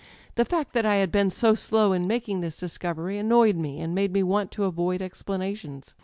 The fact that I had been so slow in making this discovery annoyed me, and made me want to avoid explanations.